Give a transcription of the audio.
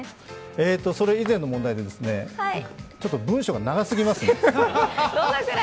えーと、それ以前の問題で文章が長すぎますね。